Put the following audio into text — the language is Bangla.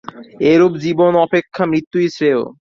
এরূপ জীবন অপেক্ষা মৃত্যুই শ্রেয়ঃ।